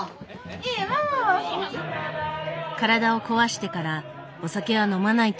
体を壊してからお酒は飲まないというママ。